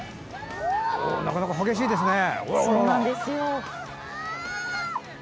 なかなか激しいですね。